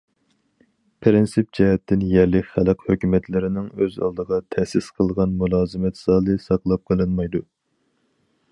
پىرىنسىپ جەھەتتىن يەرلىك خەلق ھۆكۈمەتلىرىنىڭ ئۆز ئالدىغا تەسىس قىلغان مۇلازىمەت زالى ساقلاپ قېلىنمايدۇ.